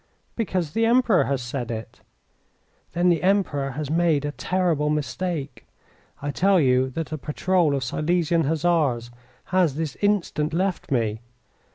"Because the Emperor has said it." "Then the Emperor has made a terrible mistake! I tell you that a patrol of Silesian Hussars has this instant left me.